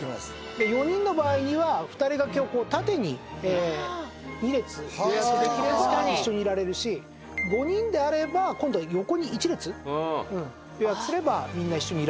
４人の場合には２人掛けを縦に２列予約できれば一緒にいられるし５人であれば今度は横に１列予約すればみんな一緒にいられると。